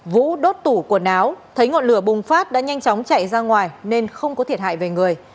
vũ đốt tủ quần áo thấy ngọn lửa bùng phát đã nhanh chóng chạy ra ngoài nên không có thiệt hại về người